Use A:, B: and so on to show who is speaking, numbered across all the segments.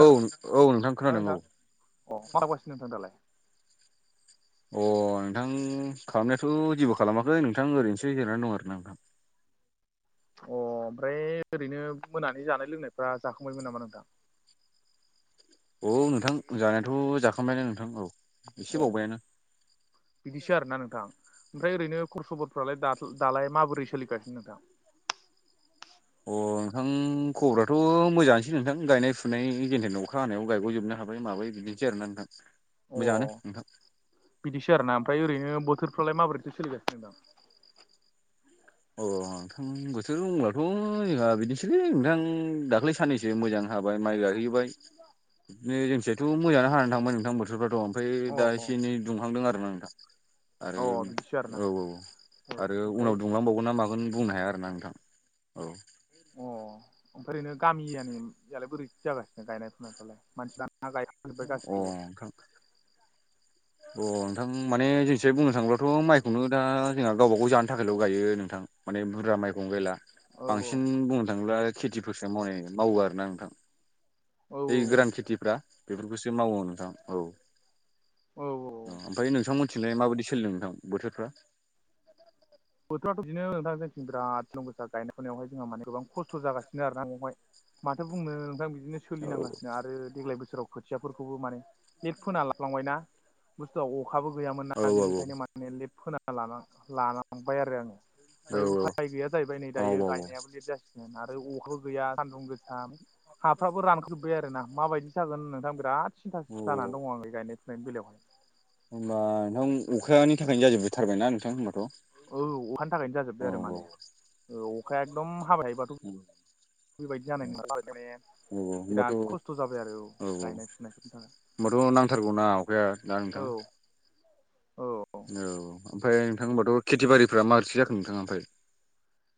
A: औ औ नोंथां खोनादों औ।
B: अ मा मावगा सिनो नोंथां दालाय?
A: अ नोंथां खालामनायाथ' जेबो खालामाखै नोंथां ओरैनोसो जिरनानै दं आरो ना।
B: अ ओमफ्राय ओरैनो मोनानि जानाय लोंनायफ्रा जाखांबायमोन नामा नोंथां?
A: औ नोंथां जानायाथ' जाखांबायानो नोंथां औ। एसे
B: अ
A: बावबायानो
B: बिदिसो आरोना नोंथां। ओमफ्राय ओरैनो खबर सबरफ्रालाय दालाय माबोरै सोलिगासिनो नोंथां?
A: अ नोंथां खबराथ' मोजांआनोसै नोंथां गायनाय फुनायनि गेजेरजों अखा हानायाव गायग'जोबनो हाबाय माबाय। बिदिनोसै आरोना नोंथां।
B: [inaudible] अ
A: मोजाङानो नोंथां
B: बिदिसो आरोना। ओमफ्राय ओरैनो बोथोरफ्रालाय माबोरैथो सोलिगासिनो दं?
A: अ बोथोर बुंब्लाथ' जोंहा बिदिसैलै नोंथां दाख्लैस साननैसो मोजां हाबाय माइ गायहोबाय। बिदिनो जोंनिथिंजायथ' मोजाङानो हानानै थांबाय नोंथां बोथोरफ्राथ। ओमफ्राय दा
B: अ
A: एसे एनै दुंहांदों आरोना नोंथां। आरो
B: अ बिदिसो आरोना
A: औ औ
B: औ
A: आरो
B: ओमफ्राय
A: उनावथ मा बुंबावनो। मा मागोन बुंनो हाया आरो ना नोंथां औ।
B: अ ओमफ्राय ओरैनो गामियानियालाय बोरै जागोन गायनाय फुनायफ्रालाय मानसिफ्रानो गाय
A: आं नोंथां। अ नोंथां माने जोंनिथिंजाय बुंनो थाङोब्लाथ' माइ मायखौनो दा जोंहा गावबा गाव जानो थाखायल' गायो नोंथां माने बुरजा माइखौनो गायला
B: औ
A: बांसिन बुंनो थाङोब्ला खेथिफोरसो माव मावो आरोना नोंथां।
B: औ
A: ओइ गोरान खेथिफ्रा बेफोरखौसो मावो नोंथां औ।
B: औ औ औ
A: ओमफ्राय नोंथांमोननिथिंजाय माबायदि सोलिदों नोंथां बोथोरफ्रा
B: [inaudible] बोथोराथ' बिदिनो दा जोंथिं बिराद सानदुं गोसा गायनाय फुनायावहाय जोंहा माने गोबां खस्थ' जागासिनो आरो ना फंबाय। माथो बुंनो नोंथां बिदिनो
A: औ
B: सोलिनांगासिनो आरो देग्लाय बोसोराव खोथियाफोरखौबो माने लेट फोना लाफ्लांबायना बुस्थुआ अखाबो गैयामोन ना
A: औ औ
B: बेनिखायनो माने माने लेत फोना लाना लानांबाय आरो आङो ओमफ्राय
A: औ
B: उफाय गैया जाहैबाय नै
A: औ
B: दायो
A: औ औ
B: गायनायाबो लेट जासिगोन आरो अखाबो गैया सान्दुं गोसा। हाफ्राबो रानखावजोब्बाय आरोना माबायदि जागोन नोंथां बिराद सिन्थासो जानानै दङ आङो गायनाय फुनायनि बेलायावहाय।
A: होमबा नोंथां अखानि थाखायनो जाजोबथारबायना नोंथां होनोमबाथ'।
B: औ अखानि थाखायनो जाजोब्बाय आरो माने अखाया एकदम हाबाय थायो बाथ
A: [unintelligible]
B: बेफोरबायदि जानायखायनो माने
A: औ होमबाथ'
B: बिराद
A: औ
B: खस्थ' जाबाय आरो औ गायनाय फुनायफोरनि थाखाय।
A: होमबाथ' नांथारगौना अखाया दा
B: औ औ
A: औ ओमफ्राय नोंथां होनबाथ' खेथि बारिफ्रा माबोरै जाखो नोंथाङा ओमफ्राय?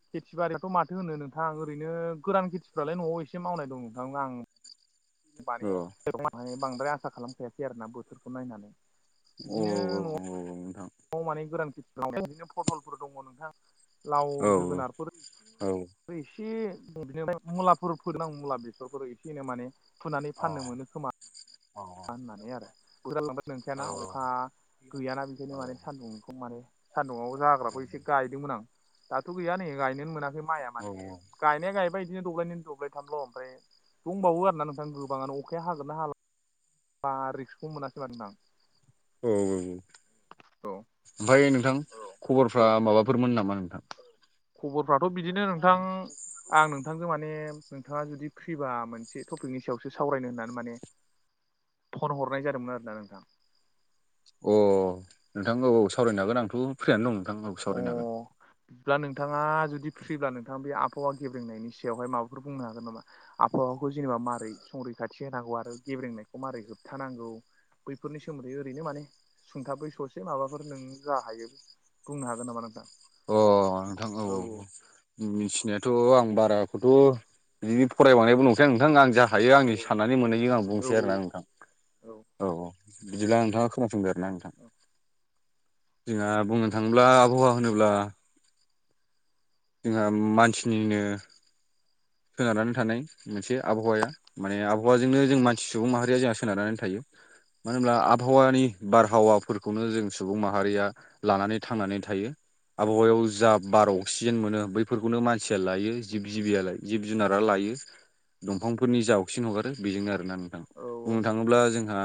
B: खेथि बारियाथ' माथो होनो नोंथां ओरैनो गोरान खेथिफ्रालाय न'आव एसे मावनाय दं नोंथां आं माने बांद्राय आसा खालामखायासै आरोना बोथोरखौ नायनानै।
A: औ
B: बिदिनो
A: औ
B: न'आव
A: औ नोंथां।
B: नआव माने गोरान खिथि बिदिनो पटलफोर दङ नोंथां लाव
A: औ
B: जोगोनारफोर
A: औ अ औ
B: आरो एसे बिनिफ्राय मुलाफोर फोदों आं मुला बेसरफोर एसे एनै माने फुनानै
A: औ
B: फाननो मोनो खोमा।
A: औ
B: होननानै आरो [unintelligible] नंखायाना अखा गैयाना
A: औ
B: बेखायनो माने सानदुंखौ माने सान्दुंआव जाग्राखौ एसे गायदोंमोन आं दाथ' गैया नै गायनोनो मोनाखै माइआ
A: औ
B: माने
A: औ
B: गायनाया गायबाय बिदिनो दब्लायनै दब्लायथामल' ओमफ्राय दंबावो आरोना नोंथां गोबाङानो अखाया हागोनना हाला बा रिक्सखौ मोनासै माथो नोंथां।
A: औ औ ओमफ्राय नोंथां
B: औ
A: खबरफ्रा माबाफोरमोन नामा नोंथां।
B: खबरफ्राथ' बिदिनो नोंथां। आं नोंथांजों माने नोंथाङा जुदि फ्रिबा मोनसे टपिकनि सायावसो सावरायनो होननानै माने फन हरनाय जादोंमोन आरोना नोंथां।
A: अ' नोंथां औ औ सावरायनो हागोन आंथ' फ्रियानो दं नोंथां औ सावरायनो हागोन।
B: दा नोंथाङा जुदि फ्रिब्ला नोंथाङा बे आबहावा गेब्रेंनायनि सायावहाय माबाफोर बुंनो हागोन नामा? आबहावाखौ जेनेबा मारै संरैखाथि होनांगौ आरो गेब्रेंनायखौ मारै होबथानांगौ। बैफोरनि सोमोन्दै ओरैनो माने सुंथाबै ससे माबाफोर नों जा हायो। बुंनो हागोन नामा नोंथां?
A: अ' नोंथां औ औ। मिथिनायाथ' आं बाराखौथ' बिदि फरायबांनायबो नंखाया नोंथां आं जा हायो
B: औ
A: आंनि साननानै मोननायजों आं
B: औ
A: बुंसै आरोना नोंथां। औ औ बिदिब्ला नोंथाङा खोनासंदो आरो ना नोंथां‌।
B: औ
A: जोंहा बुंनो थाङोब्ला आबहावा होनोब्ला जोंहा मानसिनिनो सोनारनानै थानाय मोनसे आबहावाया माने आबहावाजोंनो जों मानसि सुबुं माहारिया जोंहा सोनारनानै थायो मानो होनब्ला आबहावानि बारहावाफोरखौनो जों सुबुं माहारिया लानानै थांनानै थायो। आबहावायाव जा बार अक्सिजेन मोनो बैफोरखौनो मानसिया लायो जिब जिबिया लायो। जिब जुनारा लायो। दंफांफोरनि जाव सिन हगारो बेजोंनो आरो ना नोंथां।
B: औ
A: बुंनो थाङोब्ला जोंहा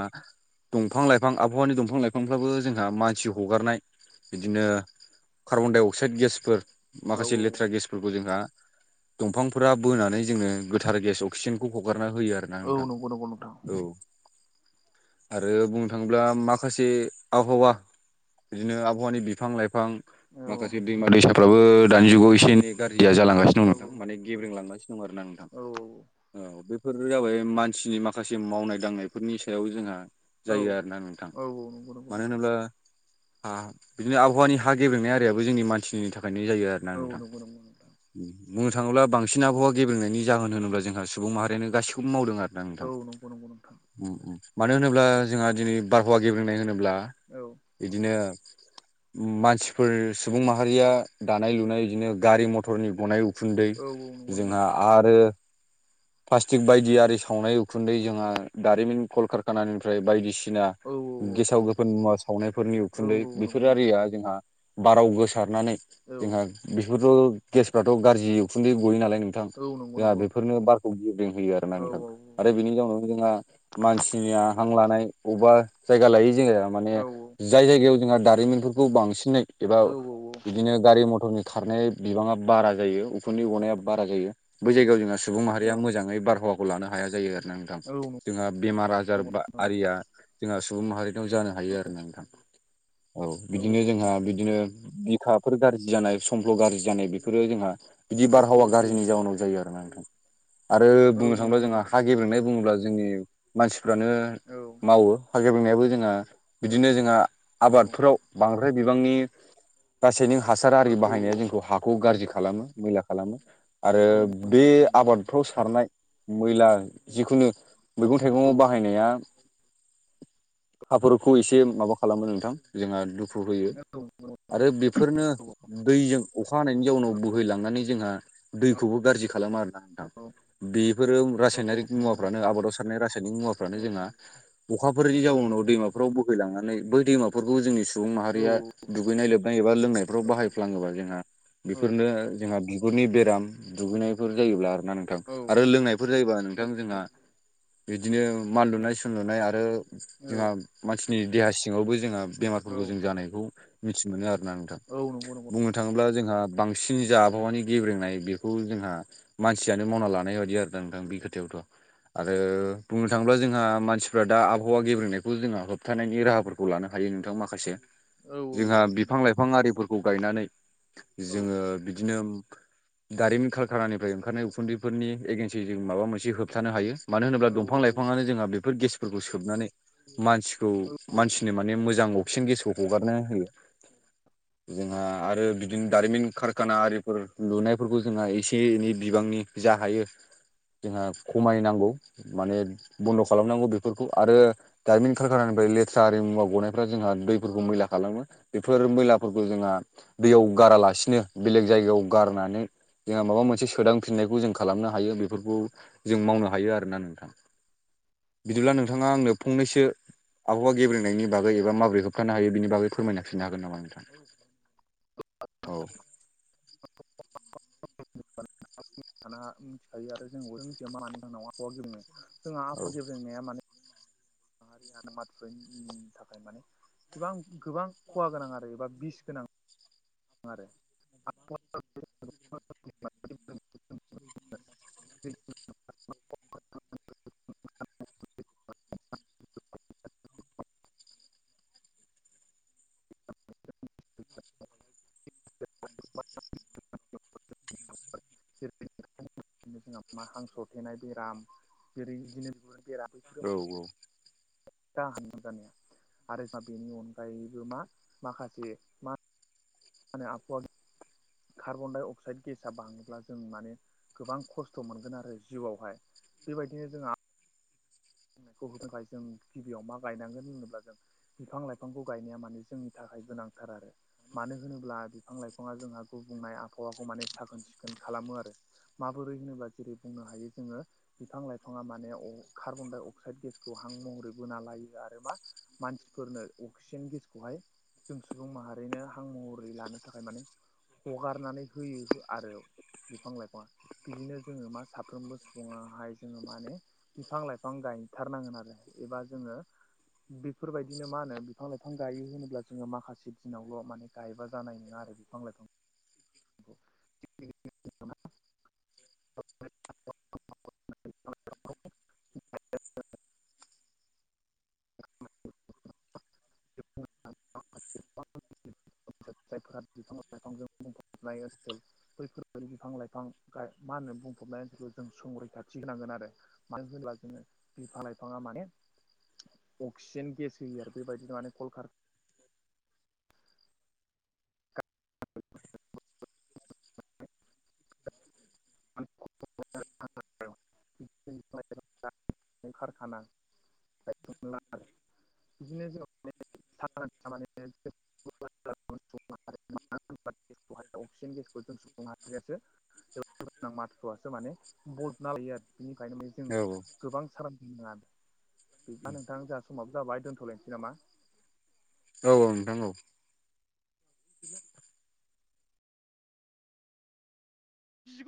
A: दंफां लाइफां आबहावानि दंफां लाइफ फांफ्राबो जोंहा मानसि हगारनाय बिदिनो कार्बन डाइ अक्साइड गेसफोर
B: औ
A: माखासे लेथ्रा गेसफोरखौ जोंहा दंफां फोरा बोनानै जोंनो गोथार गेस अक्सिजेनखौ हगारना होयो आरो।
B: औ नंगौ नंगौ नोंथां।
A: आरो बुंनो थाङोब्ला माखासे आबहावा बिदिनो आबहावानि बिफां लाइफां
B: औ
A: माखासे दैमा दैसाफ्राबो दानि जुगाव एसे एनै गाज्रिया जालांगासिनो दं नोंथां। माने गेब्रेंलांगासिनो दं आरोना नों
B: औ औ औ
A: औ बैफोरनो जाबाय मानसिनि माखासे मावनाय दांनायफोरनि सायाव जोंहा
B: औ
A: जायो आरोना नोंथां।
B: औ नंगौ नंगौ
A: मानो
B: नोंथां
A: होनोब्ला हा बिदिनो आबहावानि हा गेब्रेंनाय आरियाबो जोंनि मानसिनि थाखायनो जायो आरो ना
B: औ
A: नोंथां।
B: नंगौ नंगौ नोंथां
A: बुंनो थाङोब्ला बांसिन आबहावा गेब्रेंनायनि जाहोन होनोब्ला जोंहा सुबुं माहारियानो गासिखौबो मावदों आर
B: औ नंगौ नंगौ नोंथां नंगौ।
A: मानो होनोब्ला जोंहा दिनै बारहावा गेब्रेंनाय होनोब्ला।
B: औ
A: बिदिनो मानसिफोरस सुबुं माहारिया दानाय लुनाय इदिनो गारि मथरनि गनाय उखुन्दै
B: औ औ नंगौ नंगौ
A: जोंहा आरो प्लास्टिक बायदि आरि सावनाय उखुन्दै जोंहा दारिमिन कल कारखानानिफ्राय बायदिसिना
B: औ
A: गेसाव गोफोन मुवा सावनायफोरनि
B: औ
A: उखुन्दै
B: नंगौ
A: बेफोर
B: नंगौ
A: आरिया जोंहा बाराव गोसारनानै
B: औ
A: जोंहा बेफोरथ' गेसफ्राथ' गाज्रि उखुन्दै गयो नालाय नों थां
B: औ नंगौ
A: जोंहा
B: नंगौ
A: बेफोरनो बारखौ गेब्रेंहोयो आरो
B: औ
A: ना नोंथां।
B: औ
A: आरो बेनि जाउनावनो जोंहा मानसिनिया हां लानाय अबबा जायगा लायै जोङो माने
B: औ
A: जाय जायगायाव जोंहा दारिमिनफोर खौ बांसिनै एबा
B: औ
A: बिदिनो गारि मथरनि खारनाय बिबाङा बारा जायो। अब उखुन्दै गनाया बारा जायो। बै जायगायाव जोंना सुबुं
B: औ
A: माहारिया मोजाङै बारहावाखौ लानो हाया जायो आरो ना नोंथां।
B: औ नंगौ
A: जोंहा बेमार आजार
B: नंगौ
A: बा
B: औ
A: आरिया जोंहा सुबुं माहारिनाव जानो हायो आरो ना नोंथां। औ बिदिनो जोंहा बिदिनो बिखाफोर गाज्रि जानाय समफ्ल' गाज्रि जानाय बेफोरो जोंहा बिदि
B: नंगौ नोंथां नंगौ
A: बारहावा
B: औ
A: गाज्रिनि जाउनाव जायो आरो ना नोंथां। आरो
B: औ नंगौ नोंथां औ
A: बुंनो थाङोब्ला
B: नंगौ नंगौ
A: जोंहा हा गेब्रेनाय बुङोब्ला जोंनि मानसिफ्रानो
B: औ
A: मावो हा गेब्रेंनायाबो जोंहा बिदिनो जोंहा आबादफोराव बांद्राय बिबांनि रासायनिख हासार आरि
B: औ
A: बाहायनाया
B: औ औ
A: जोंखौ हाखौ गाज्रि खालामो मैला खालामो। आरो
B: नंगौ औ नंगौ
A: बे
B: औ
A: आबाद फ्राव सारनाय मैला जिखुनु मैगं थाइगङाव बाहायनाया हाफोरखौ एसे माबा खालामो नोंथां जोंहा दुखु होयो।
B: [unintelligible]
A: आरो बेफोरनो दैजों अखा हानायनि जाउनाव बोहैलांनानै जोंहा दैखौबो गाज्रि खालामा आरोना नोंथां। बेफोरो रासायनारिक मुवाफ्रानो आबादाव सारनाय रासायनिक मुवाफ्रानो जोंहा अखाफोरनि जाउनाव दैमाफ्राव बोहैलांनानै बै दैमाफोरखौ जोंनि सुबुं माहारिया दुगैनाय लोबनाय एबा लोंनायफ्राव बाहायफ्लाङोबा जोंहा बेफोरनो जोंहा बिगुरनि बेराम दुगैनायफोर जायोब्ला आरोना नों थां आरो लोंनायफोर जायोबा नोंथां जोंहा बिदिनो मान लुनाय सानलुनाय आरो जोंहा मानसिनि देहा सिङावबो जोंहा बेमारफोरखौ जों जानायखौ मिथिमोनो आरोना नोंथां बुंनो थाङोब्ला जोंहा बांसिन जा आबहावानि गेब्रेंनाय बेखौ जोंहा मानसि यानो मावना लानाय बायदि आरो दा नोंथां बे खोथायावथ' आरो बुंनो थाङोब्ला जोंहा मानसिफ्रा दा आबहावा गेब्रेंनायखौ जोंहा होबथानायनि राहाफोरखौ लानो हायो नोंथां माखासे जोंहा बिफां लाइफां आरिफोर खौ गायनानै जोङो बिदिनो दारिमिन कारखानानिफ्राय ओंखारनाय उखुन्दैफोरनि एगेन्सै जों माबा मोनसे होबथानो हायो मानो होनोब्ला
B: औ
A: दंफां
B: औ
A: लाइफाङानो जोंहा बे फोर गेसफोरखौ सोबनानै मानसिखौ
B: औ
A: मानसिनो माने मोजां अक्सिजेन गेसखौ हगारनो होयो
B: [inaudible]
A: जोंहा आरो बिदिनो दारिमिन कारखाना आरिफोर लुनायफोरखौ जोंहा एसे एनै बिबांनि जा हायो जोंहा खमायनांगौ माने बन्द' खालामनांगौ बेफोरखौ आरो दारिमिन खारखानानिफ्राय लेथ्रा आरि मुवा गनायफ्रा जोंहा दैफोरखौ मैला खालामो बेफोर मैलाफोरखौ जोङा दैयाव गारालासिनो बेलेग जायगायाव गारनानै जोंहा माबा मोनसे सोदांफिननायखौ जों खालामनो हायो बेफोरखौ जों मावनो हायो आरोना नोंथां बिदिब्ला नोंथाङा आंनो फंनैसो आबहावा गेब्रेंनायनि बागै एबा माब्रै होबथानो हायो बेनि बागै फोरमायना फिननो हागोन नामा नोंथां? औ
B: दाना मिथिखायो आरो जोंबो मिथिया मानि जाहोनाव आबहावा गेब्रेङो जोंहा आ
A: औ
B: आबहावा गेब्रेंनाया माने [unintelligible] थाखाय माने गोबां खहा गोनां आरो एबा बिस गोनां आरो [unintelligible] [unintelligible] [unintelligible] बिदिनो जोंहा मा हां स'रथेनाय बेराम जेरै बिदिनो बिगुरनि बेराम
A: औ औ
B: गाहाम जानाया आरो जोंहा बेनि अनगायैबो मा माखासे मा मा होनो आबहावा कार्बनडाइ अक्साइड गेसआ बाङोब्ला जों माने गोबां खस्थ' मोनगोन आरो जिउआवहाय बेबायदिनो जोङा गेब्रेंनायखौ होनो थाखाय जों गिबियाव मा गायनांगोन होनोब्ला जों बिफां लाइफांखौ गायनाया माने जोंनि थाखाय गोनांथार आरो मानो होनोब्ला बिफां लाइफाङा जोंहा गुबुंनाय आबहावाखौ माने साखोन सिखोन खालामो आरो माबोरै होनोब्ला जेरै बुंनो हायो जोङो बिफां लाइफाङा माने अ कार्बनडाइ अ क्साइड गेसखौ हां महरै बोना लायो आरो मा मानसिफोरनो अक्सिजेन गेसखौहाय जों सुबुं माहारिनो हां महरै लानो थाखाय माने हगारनानै होयो हो आरो बिफां लाइफाङा बिदिनो जोङो मा साफ्रोमबो सुबुङाहाय जोङो माने बिफां लाइफां गाय थारनांगोन आरो एबा जोङो बेफोरबायदिनो मा होनो बिफां लाइफां गायो होनोब्ला जोङो माखासे दिनावल' माने गायबा जानाय नङा आरो बिफां लाइफां [unintelligible] [unintelligible] [unintelligible] जायफोरा बिफां लाइफांजों बुंफबजोबनाय ओनसोल बैफोरबायदि बिफां लाइफां गाय मा होनो बुंफबनायफोरखौ जों संरैखाथि होनांगोन आरो मानो होनोब्ला जोङो बिफां लाइफाङा माने अक्सिजेन गेस होयो आरो बेबायदिनो माने कल का [unintelligible] [unintelligible] [unintelligible] [unintelligible] [unintelligible] [inaudible] [unintelligible] नोंथां
A: औ
B: जोंहा समाव जाबाय दोनथ'लायनोसै नामा
A: औ नोंथां औ